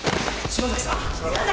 島崎さん！？